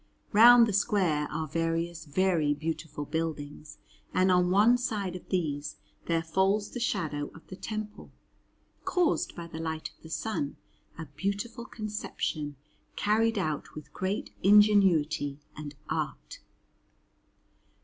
Round the square are various very beautiful buildings; and on one side of these there falls the shadow of the temple, caused by the light of the sun a beautiful conception, carried out with great ingenuity and art.